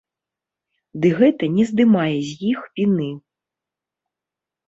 Ды гэта не здымае з іх віны.